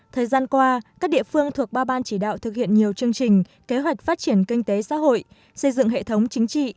thời gian qua các địa phương thuộc ba ban chỉ đạo thực hiện nhiều chương trình kế hoạch phát triển kinh tế xã hội xây dựng hệ thống chính trị